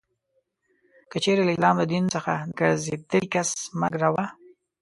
که چیري له اسلام د دین څخه د ګرځېدلې کس مرګ روا.